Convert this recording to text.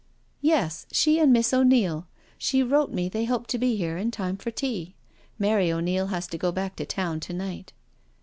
" Yes, she and Miss O'Neil. She wrote me they hoped to be here in time for tea. Mary O'Neil has to go back to Town to night."